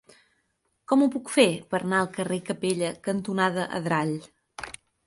Com ho puc fer per anar al carrer Capella cantonada Adrall?